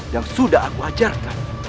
yang sudah aku ajarkan